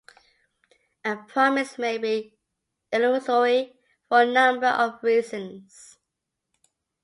A promise may be illusory for a number of reasons.